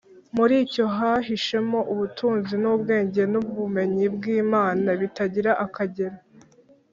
Muri cyo hahishemo “ubutunzi n’ubwenge n’ubumenyi by’Imana bitagira akagero